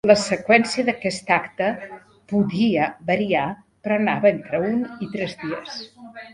La seqüència d'aquest acte podia variar però anava entre un i tres dies.